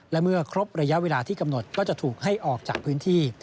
และเมื่อครบระยะเวลาที่กำหนดก็จะถูกให้ออกจากพื้นที่